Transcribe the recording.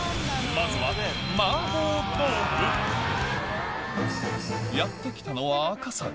まずはやって来たのは赤坂